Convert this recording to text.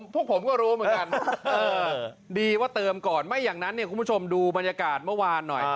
พวกผมก็รู้เหมือนกันดีว่าเติมก่อนไม่อย่างนั้นเนี่ยคุณผู้ชมดูบรรยากาศเมื่อวานหน่อย